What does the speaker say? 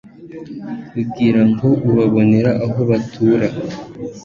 ugira ngo ubabonere aho batura